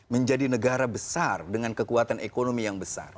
menjadi negara besar dengan kekuatan ekonomi yang besar